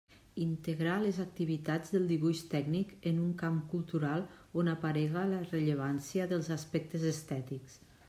Integrar les activitats del Dibuix Tècnic en un camp cultural on aparega la rellevància dels aspectes estètics.